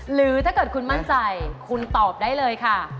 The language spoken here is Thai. หรือถ้าเกิดคุณมั่นใจคุณตอบได้เลยค่ะ